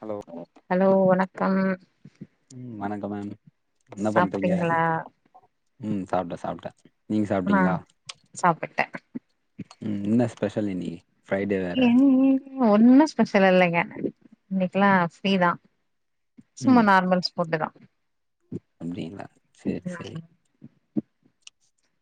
Hello hello வணக்கம் ம் வணக்கம் மேம் என்ன பண்றீங்க சாப்ட்டீங்களா ம் சாப்ட்டே சாப்ட்டே நீங்க ஆ சாப்ட்டீங்களா சாப்பிட்டே ம் எனா ஸ்பெஷல் இன்னீக்கு ஏன் ஒண்ணு ஸ்பெஷல் இல்லைங்க இன்னைக்கெல்லா ஃப்ரீதா சும்மா ம் நார்மல்ஸ் புட்டு தா அப்டிங்களா சேரி சேரி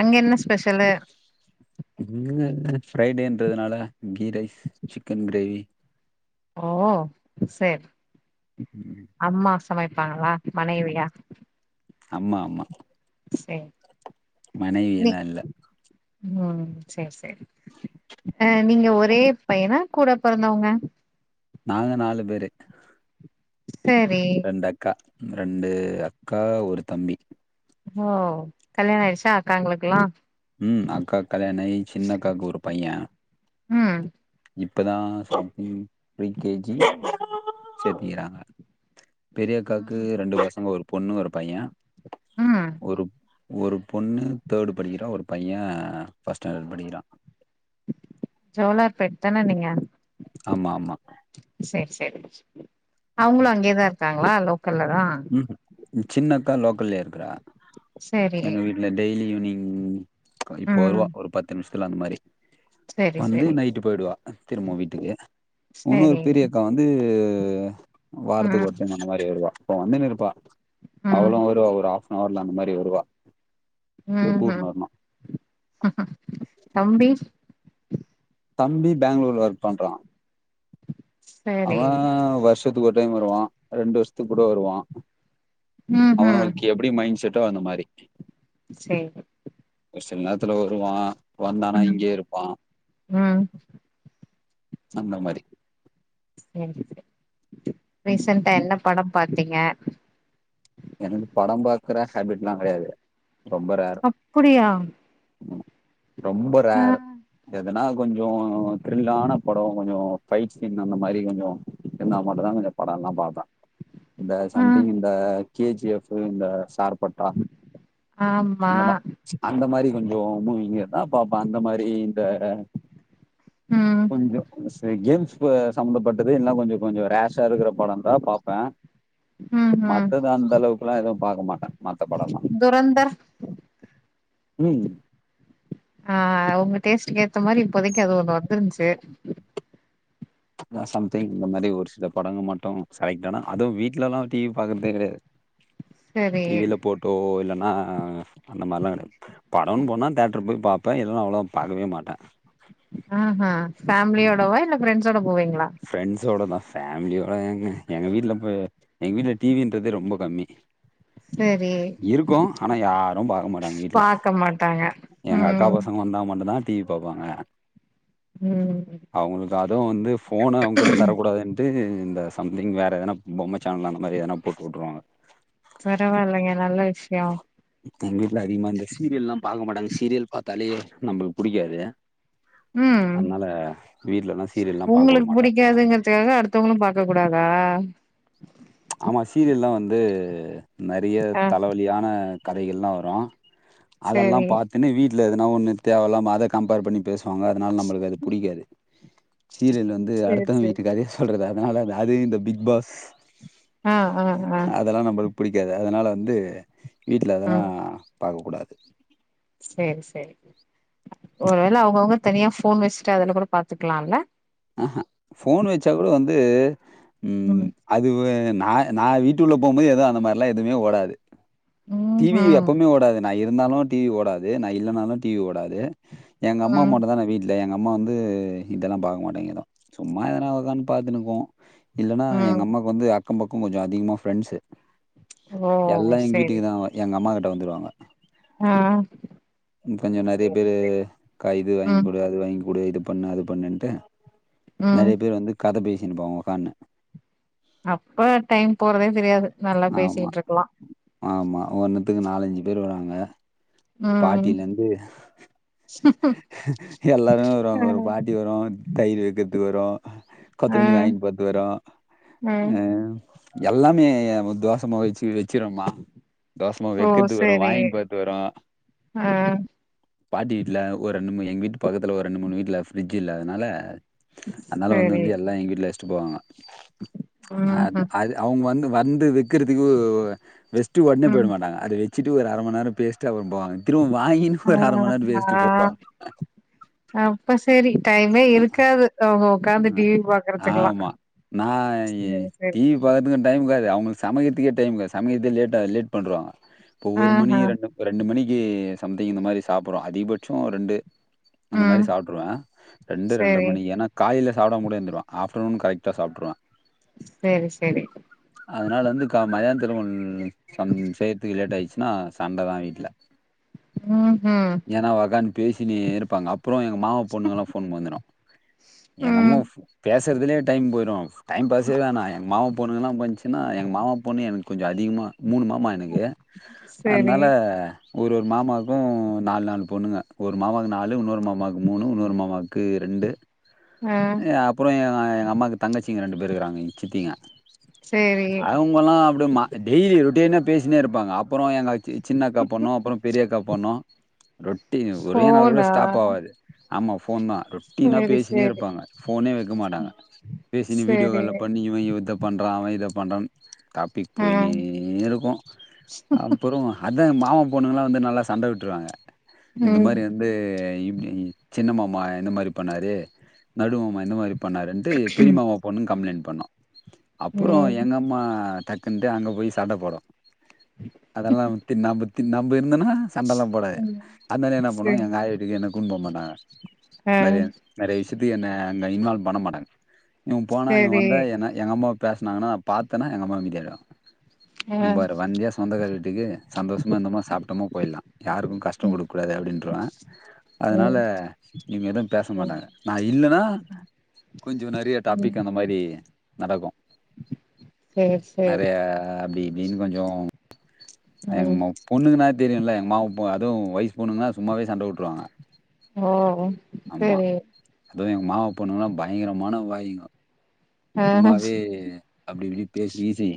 அங்க என ஸ்பெஷலு இங்கங்க ஃப்ரைடேன்றதுனால கீ ரைஸ் சிக்கன் கிரேவி ஓ சேரி ம் அம்மா சமைப்பாங்களா மனைவியா அம்மா அம்மா சே மனைவியல இல்ல ம் சேரி சேரி ஆ நீங்க ஒரே பையனா கூட பொறந்தவங்க நாங்க நாலு பேரு சேரி ரெண்டு அக்கா ரெண்டு அக்கா ஒரு தம்பி ஓ கல்யாண ஆயிடுச்சா அக்காங்ளுக்கெல்லா ம் அக்காக்கு கல்யாண ஆயி சின்னக்காக்கு ஒரு பையே ம் இப்பதா சம்திங் ப்ரீ கேஜி சேத்திக்கிறாங்க பெரியக்காக்கு ரெண்டு பசங்க ஒரு பொண்ணு ஒரு பையே ம் ஒரு ஒரு பொண்ணு தேர்டு படிக்கிறா ஒரு பையே ஃபஸ்ட் ஸ்டாண்டர்ட் படிக்கிறா ஜோலார்பேட் தா நீங்க ஆமா ஆமா செரி செரி அவங்களு அங்கேதா இருக்காங்களா லோக்கல்ல தா ம் சின்னக்கா லோக்கல்லே இருக்கறா செரி இல்ல டெய்லி ஈவ்னிங் இப்போ ம் வருவா ஒரு பத்து நிம்ஷத்துல அந்த மாரி சேரி வந்து சேரி நைட்டு போயிடுவா திரும்ப வீட்டுக்கு உன்னொரு சேரி பெரிய அக்கா வந்து வாரத்துக்கு ம் ஒரு டைம் அந்த மாரி வருவா இப்ப வந்துன்னு இருப்பா ம் அவலு வருவா ஒரு ஹாஃப்பன்னவர்ல அந்த மாரி வருவா போய் ம் கூட்னு வரணு தம்பி தம்பி பேங்ளூர்ல ஒர்க் பண்றா அவ சேரி வருஷத்துக்கு ஒரு டைம் வருவா ரெண்டு வருஷத்துக்கு கூட வருவா ம் ம் அவனுளுக்கு எப்டி மைண்ட் செட்டோ அந்த மாரி சேரி ஒரு சில நேரத்துல வருவா வந்தானா ம் இங்கயே இருப்பா ம் சேரி ம் ரீசன்ட்டா ம் என்ன படம் பாத்தீங்க எனக்கு படம் பாக்குற ஹேபிட்ல்லா கெடையாது ரொம்ப ரேர் அப்படியா ரொம்ப ஆ ரேரு எதுனா கொஞ்சோ த்ரில்லான படோ கொஞ்சோ ஃபைட் சீன் அந்த மாரி கொஞ்சோ என் நா மட்டும்தா கொஞ்சோ படம் ல்லா பாப்ப இந்த ஆ சம்திங் இந்த கேஜி எஃப் இந்த சார்ப்பட் ஆ ஆமா இந்த மா அந்த மாரி கொஞ்சோ மூவிங்க தா பாப்ப அந்த மாரி இந்த ம் கொஞ்சோ சரி கேம்ஸ் சம்மந்தப்பட்டது இல்னா கொஞ்சோ கொஞ்சோ ரேஷா இருக்கிற படம் தா பாப்பே ம் ம் அ அந்த அளவுக்குல்லா எதுவு பாக்க மாட்ட மத்த படம்லா துரந்தர் ம் ஆ உங்க டேஸ்ட்டுக்கு ஏத்த மாரி இப்போதைக்கு அது ஒன்னு வந்துருந்ச்சு அ சம்திங் இந்த மாரி ஒரு சில படங்க மட்டு செலக்ட் ஆனா அதுவு வீட்லல்லா டிவி பாக்கறதே கெடையாது சேரி டிவில போட்டோ இல்லன்னா அந்த மாரிலா கெட படோனு போனா தேட்ரு போய் பாப்பே இல்லன அவளோ பாக்கவே மாட்டே ம்ஹீ ஃபேமிலியோடவா இல்ல பிரெண்ட்சோட போவீங்களா ஃப்ரெண்ட்ஸோட தா ஃபேமிலியோட எங்க எங்க வீட்ல போய் எங்க வீட்ல டிவின்றதே ரொம்ப கம்மி சேரி இருக்கு ஆனா யாரும் பாக்க மாட்டாங்க வீட்ல பாக்க மாட்டாங்க எங்க அக்கா ம் பசங்க வந்தா மட்டுதான் டிவி பாப்பாங்க ம் அவங்களுக்கு அதுவு வந்து ஃபோன அவங்குகிட்ட தரக்கூடாதுன்ட்டு இந்த சம்திங் வேறு எதனா பொம்மை சேனல் அந்த மாதிரி எதனா போட்டு விட்ருவாங்க பரவால்லைங்க நல்ல விஷயோ எங்க வீட்ல அதிகமா இந்த சீரியல்லா பாக்க மாட்டாங்க சீரியல் பாத்தாலே நம்மளுக்கு புடிக்காது ம் அதனால வீட்லல்லா சீரியல்லா பாக்க வுட மாட்டே த்துகாக அடுத்தவங்களு பாக்க கூடாதா ஆமா சீரியல்லா வந்து நறைய ஆ தலைவலியான கதைகள்லா வரு அதெல்லா சேரி பாத்துனு வீட்ல எதுனா ஒண்ணு தேவையில்லாம அத கம்பேர் பண்ணி பேசுவாங்க அதனால நம்மளுக்கு அது புடிக்காது சீரியல் வந்து சேர் அடுத்தவ சேரி வீட்டு கதைய சொல்றது அதனால அது இந்த பிக் பாஸ் ஆ ஆ ஆ அதெல்லா நம்மளுக்கு புடிக்காது அதனால வந்து வீட்ல அதெல்லா ம் பாக்க கூடாது சேரி சேரி ஒருவேள அவங்கவுங்க தனியா ஃபோன் வச்சுட்டு அதுல கூட பாத்துக்கலா இல்ல ம்ஹூம் ஃபோன் வச்சா கூட வந்து ம் அது நா நா வீட்டு உள்ள போகும்போது எதுவு அந்த மாரில்லா எதுமே ஓடாது. ம் டிவி ம் எப்பவுமே ஓடாது நா இருந்தாலு டிவி ஓடாது நா இல்லனாலு டிவி ஓடாது எங்க அம்மா ம் மட்டுந்தான வீட்ல எங்க அம்மா வந்து இதெல்லா பாக்க மாட் டாங்கதா சும்மா எதனா வருதானு பாத்துனு போவு இல்லனா ம் எங்க அம்மா க்கு வந்து அக்கம் பக்கம் கொஞ்சோ அதிகமா ஃப்ரெண்ட்ஸ் ஓ எல்லா எங்க சேரி வீட்டுக்குதா வ எங்க அம்மா கிட்ட வந்துருவாங்க ஆ கொஞ்சோ நெறைய சேரி பேர் சேரி கா இது ம் வாங்கிக்குடு அது வாங்கிகுடு இது பண்ணு அது பண்ணுன்ட்டு ம் நெறைய பேர் வந்து கதை பேசினுருப்பாங்க உக்காந்துனு அப்ப டைம் போறதே தெரியாது நல்லா பேசிட்டு இருக்கலா ஆமாமா ஒவ்வொன்னுத்துக்கு நாலஞ்சு பேர் வருவாங்க ம் பாட்டில இருந்து எல்லாருமே வருவங்க ஒரு ம் பாட்டி வரு தயிர் வைக்கிறதுக்கு வரு ஆ ஆ கொத்தமல்லி வாங்கிட்டு போறதுக்கு வரு, ஆ அ எல்லாமே தோசமாவு வச்சு வச்சிரோமா தோசமாவு ஓ வைக்கறதுக்கு வரும் சேரி வாங்கின்னு போறதுக்கு வரு ஆ பாட்டி வீட்ல ஒரு ரெண்டு மூணு எங்க வீட்டு பக்கத்துல ஒரு ரெண்டு மூணு வீட்ல பிரிட்ஜ் இல்ல அதனால அதனால வந்து சேரி வந்து எல்லா எங்க வீட்ல வச்சிட்டு போவாங்க அ ம் ம் அது அவங்க வந்து வந்து வைக்கறதுக்கு வெச்சிட்டு ஒடனே போயிட ம் மாட்டாங்க அதை வ ச்சிட்டு ஒரு அர மண்நேரம் பேசிட்டு அப்பற போவங்க திரும்ப வாங்கினு ஒரு அர மண்நேரம் ஆ பேசிட்டு ஆ போவங்க அப்ப சேரி டைமே போவாங்க இருக்காது அவங்க உக்காந்து டிவி பாக்கறதுக்குலா ஆமா. சேரி சேரி பாக்குறதுக்கு டைம் இருக்காது அவுங்களுக்கு சமைக்கறதுகே டைம் இருக்காது சமைக்கிறதே லேட்டா லேட் பண்ணுவாங்க இப்ப ஒரு மணி ஆஹா ரெண்டு ஒரு ரெண்டு மணிக்கு சம்திங் இந்த மாரி சாப்புட்றோ அதிகபட்ச ஒரு ரெண்டு அந்த மாரி ம் சாப்ட்ருவே ரெண்டு ரெண்டரை சேரி மணி ஏன்னா காலில சாப்படாம கூட இருந்துருவே ஆப்டர்நூன் கரெக்டா சாப்ட்ருவ சேரி சேரி அதனால வந்து கா மதியானதுல ஒன் சம் செய்யறதுக்கு லேட் ஆயிடுச்சு னா சண்டதா வீட்ல ம் ம் ஏன்னா ஒக்காந்து பேசினே இருப்பாங்க அப்பறோ எங்க மாமா பொண்ணுங்கல்லா ஃபோன் வந்துடு எங்க அம்மா ம் பேசுறதுலே டைம் போயிடு டைம் பாஸே வேணா எங்க மாமா பொண்ணுங்களா வந்துச்சுனா எங்க மாமா பொண்ணு எனக்கு கொஞ்சோ அதிகமா மூணு மாமா எனக்கு சேரி அதனால ஒரு ஒரு மாமாவுக்கு நாலு நாலு பொண்ணுங்க ஒரு மாமாவுக்கு நாலு இன்னொரு மாமாக்கு மூணு இன்னொரு மாமாவுக்கு க்கு ரெண்டு ஆ எ அப்பறோ எ எங்க அம்மாக்கு தங்கச்சிங்க ரெண்டு பேரு இருக்கிறாங்க அங்க சித்திங்க சேரி ல்லா அப்படி டெய்லி ரோட்டினா பேசினே இருப்பாக அப்ற எங்க சின்னகா பண்ணு அப்ற பெரியக்கா பண்ணு ரொட்டீன் ஒரே நாள் கூட ஃபோனா ஸ்டாப் ஆகாது ஆமா போன் நா ரொட்டீனா சேரி பேசினே சேரி இருப்பாக போபனே வைக்க மாட்டாக பேசினி வீடியோ சேரி கால பண்ணி இவ இத பண்ற அவ இத பண்ற டாபிக் ஆ போயினே இருக்கு அப்றோ அதா மாமா பொண்ணுகலா வந்து நல்லா சண்ட விட்டுருவாக இந்த ம் மாரி வந்து வந்து இப்டி சின்னமாமா என்ன மாரி பண்ணாரு நடு மாமா என்ன மாரி பண்ணருட்டு பெரியம பொண்ணு கம்ளைண் பண்ணோ அப்றோ ம் எங்க அம்மா தட் ட்டு அங்க போய் சண்டை போடு அதெலா விட்டு நா பத்தி நம்ம இருந்தோனா சண்டெல்லா போடாது ம் அதனால என்ன பண்ணுவோ சேரி எங்க ஆயி வீட்டுக்கு என்ன கூட்டிடு போக மாட்டாங்க ஆ நெறைய நெறைய விஷயதுகு என்ன அங்க இன்வால்வ் பண்ண மாட்டாங்க இவ போனா இவ சேரி வந்தா என்னா எங்க அம்மாவ பேசுனாங்கனா நா பாத்தேனா எங்க அம்மா அமதியாயிரு ஆ இகரு வந்தியா சொந்தக்கார வீட்டுக்கு சந்தோஷமா இருதோமா சாப்டோமோ போயிலா யாருக்கு கஷ்ட ம் கொடுக்க கூடாது அப்டின்ருவே அதனால ம் இவங்க எது பேச ம் மாட்டாக நா இல்லேனா கொஞ்சோ நெறய ம் டாபிக் அந்த மாரி நடக்கு சேரி சேரி அ அப்டி இப்டினு கொஞ்சோ எ ம் பொண்ணுங்கன தெரியுல எ மாவு அது வைஃப் நா போணுங்கனா சும்மாவே சண்டை விட்டுருவாங்க ஓ ஓ ஆமா அதுவு எங்க மாமா பொண்ணுங்கல்லா பயங்கரமான வாயுங்க ஆ சும்மாவே அப்டி இப்டி பேசி வீசி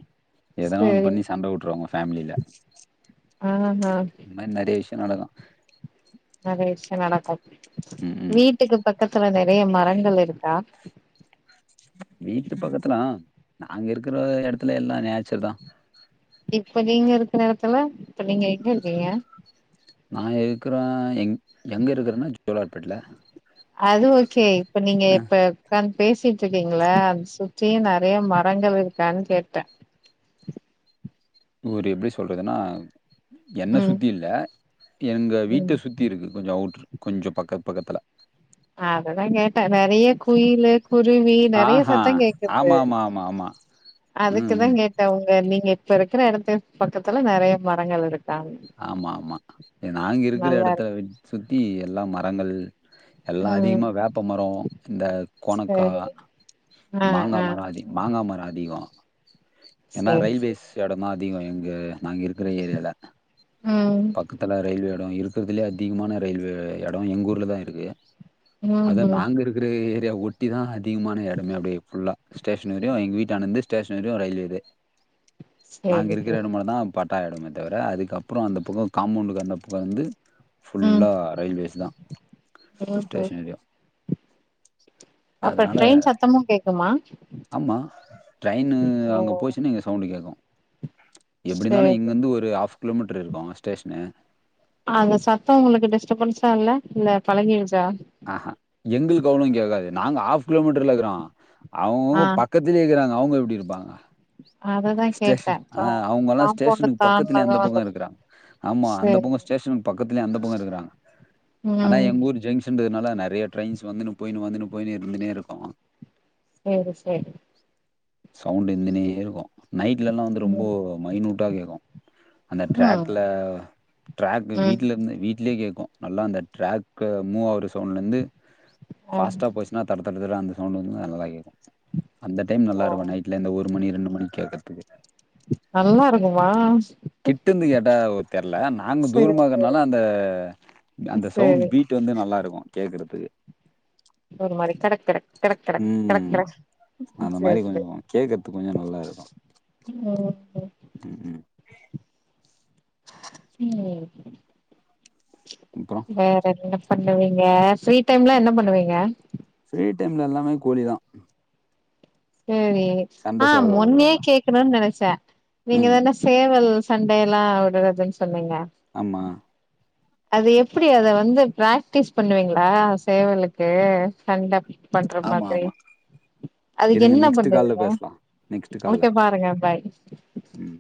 எதனா ஒ சேரி பண்ணி சண்டை விட்டுறவங்க ஃபேமிலில ஆ ஆ அந்த மாரி நெறய விஷய நடக்கு நெறய விஷய நடக்கு ம் ம் வீட்டுக்கு பக்கத்துல நெறய மரங்கள் இருக்கா வீட்டு பக்கத்துலா ஆ நாங்க இருக்கிற இடத்துல எல்லா நேச்சுரல் தா இப்ப நீங்க இருக்கிற இடத்துல இப்ப நீங்க எக்க இருக்கீங்க நா இருக்கிறே எங் எங்க இருக்கிறேனா ஜோலார் பேட்டையில அது ஓகே இப்ப நீங்க இப்ப ஒக்காந்து பேசிட்டு இருக்கீங்களா அத சுற்றியு நெறைய மரங்க இருக்கான்னு கேட்டேன் [unintelligible] எப்டி சொல்றதுன்னா என்ன ம் சுத்தி இல்ல எங்க வீட்ட ம் சுத்தி இருக்கு கொஞ்சோ அவுட்ரு கொஞ்சோ பக்கத்து பக்கத்தில அததா கேட்டே நெறய குயிலு குருவி நெறய ஆஹா சத்த கேக்குது ஆமா ஆமா ஆமா ஆமா ம் அதா ம் கேட்டே உங்க நீங்க இப்ப இருகற இடத்த பக்கத்துல நெறய மரங்கள் இருக்கு ஆமா ஆமா நாங்க இருக்கிற நல்லா இடத்துல இருக்கு சுத்தி எல்லா மரங்கள் எல்லா ம் அதிகமா வேப்ப மர இந்த கொனக்கா சரி ஆ ஆ மாங்காமர அதிக மாங்காமர அதிகம் ஏனா சரி ரயில்வேஸ் சரி இடமா அதிக எங்க நா இருக்கிற ஏரியால ம் பக்கதுல ரயில்வே இடம் இருக்கிறதுலயே அதிகமான ரயில்வே இடம் எங்க ஊர்ல தா இருக்கு ம் அத ம் நாங்க இருக்கிற ஏரியா ஒட்டிதான் அதிகமான இடமே அப்படியா ஃபுல்லா ஸ்டேஷன் வரையு எங்க வீட்டுனந்து ஸ்டேஷன் வரையு ரயில்வேது நாங்க சரி இருக்கிற சரி இடமட்டு தா பட்டா இடமே தவிர அதுக்கப்பற அந்த பக்கம் காம்பவுண்டுக்கு அந்த பக்கம் வந்து ம் ஃபுல்லா ரயில்வேஸ் தா ம் ம் ஸ்டேஷன் ஏரியா அப்ப அதனால ட்ரெயின் சத்தமும் கேக்குமா ஆமா ட்ரய்ன்னு ஓ அங்க போச்சுனா இங்க சவுண்டு கேக்கு எப்டி இருந்தாலு சரி இங்கந்து ஒரு ஆஃப் கிலோமீட்ரு இருக்கோ ஸ்டேஷ்ன்னு அந்த சத்தோ உங்களுக்கு டிஸ்டபன்சா இல்ல இல்ல பழகிருச்சா அ ஆ எங்குளுக்கு அவ்ளோ கேக்காது நாங்க ஆஃப் கிலோமீட்டர்ல இருக்குறோ ஆ அவுங்கவுங்க பக் பக்கத்திலே இருக்கிறாங்க அவங்க எப்டி இருப்பாங்க அததா கேட்டே ஸ்டேஷன் கா ஆ அவங்கள்ளா காம்பவுண்ட் ஸ்டேஷனுக்கு பக்கத்துலே தாண்டுனது அந்த பக்கோ இருக்குறாங்க ஆமா அந்த சரி பக்கோ ஸ்டேஷன் பக்கத்துலயே அந்த பக்கோ இருக்குறாங்க ஆனா ம் எங்க ஊர் ஜெங்ஷ் இந்ததுனால நெறைய ட்ரெயின்ஸ் வந்துன்னு போயின்னு வந்துனு போயின்னு இருந்துன்னே இருக்கோ செரி செரி சவுண்ட்டு இருந்துன்னே இருக்கோ நைட்லல்லா வந்து ரொம்போ ம் மைனூட்டா கேக்கோ அந்த ம் ட்ராக்ல ட்ராக்கு ம் வீட்ல இருந்து வீட்லே கேக்கு நல்லா அந்த ட்ராக்கு மூவ் ஆவ்ற சவுண்ட்லந்து ஆ ஃபாஸ்ட்டா போச் ஆ தட தட தர அந்த சவுண்ட்டு வந்து நல்லா தா கேக்கோ அந்த டைம் நல்லா ஓ இருக்கோ நைட்ல இந்த ஒரு மணி ரெண்டு மணி கேக்கத்துக்கு நல்லா இருக்குமா ஆம்ஸ்ஸூ கிட்டந்து கேட்டா ஒ தெர்ல நாங்க சரி சரி தூரமாக்றதுனால அந்த அந்த சவுண்ட் சரி பீட்டு வந்து நல்லா இருக்கோ கேக்குறதுக்கு ஒரு மாரி கடக் கடக் கடக் கடக் கடக் ம். கட அந்த மாரி கொஞ்சோ கேக்குத்துக்கு கொஞ்சோ நல்லா இருக்கோ ம் ஓ ஒ ம் ம் ம் அப்புறோ வேற என்ன பண்ணுவீங்க ஃப்ரீ டைம்லா என்ன பண்ணுவீங்க ஃப்ரீ டைம்ல எல்லாமே கோழி தா சேரி சண்டை ஆ சேவல் மொன்னே வளர்க்குறோம்ல. கேக் க்குனுன் நெனச்ச‌ ம். நீங்கதான சேவல் சண்டை எல்லா விடுறதுன் சொன்னீங்க ஆமா அது எப்டி அத வந்து ப்ராக்டிஸ் பண்ணுவீங்ளா சேவலுக்கு சண்ட பண்ற ஆமா, மாதிரி ஆமா. அதுக்கு இருங்க என்ன நெக்ஸ்ட் கால்ல பண்ணுறதுங்க பேசலாம். நெக்ஸ்ட் கால்ல. ஒனுக்கே பாருங்க பாய் ம்